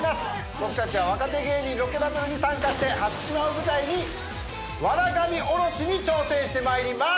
僕たちは若手芸人ロケバトルに参加して初島を舞台に笑神降ろしに挑戦してまいります。